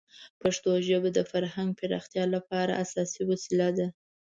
پښتو ژبه د فرهنګ پراختیا لپاره اساسي وسیله ده.